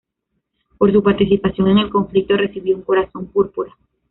Por su participación en el conflicto recibió un Corazón Púrpura.